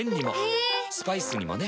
ヘェー⁉スパイスにもね。